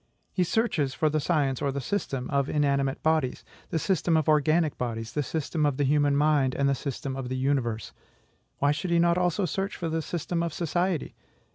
He searches for the science, or the system, of inanimate bodies, the system of organic bodies, the system of the human mind, and the system of the universe: why should he not also search for the system of society?